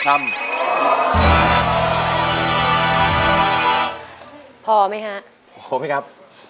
พอมั้ยคะพอมั้ยครับ